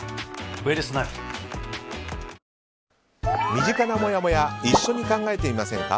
身近なもやもや一緒に考えてみませんか。